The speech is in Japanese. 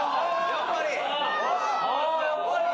やっぱり？